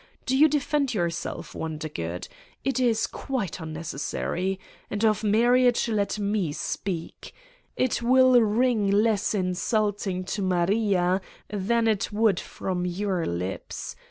Do not defend yourself, Wondergood. It is quite unnecessary. And of marriage let me speak: it will ring less insulting to Maria than it would from your lips.